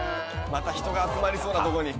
また人が集まりそうなとこに。